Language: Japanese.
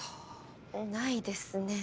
ないですね。